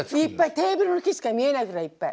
テーブルの縁しか見えないぐらいいっぱい。